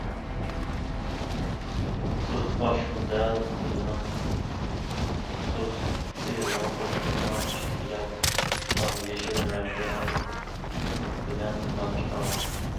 توز تاشمۇ دەل ئۆزىنىڭ توز پېيىغا ئوخشايدىغان چېكىتلەر بار يېشىل رەڭگى بىلەن نام چىقارغان.